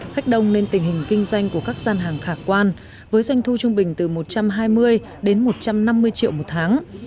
khách đông nên tình hình kinh doanh của các gian hàng khả quan với doanh thu trung bình từ một trăm hai mươi đến một trăm năm mươi triệu một tháng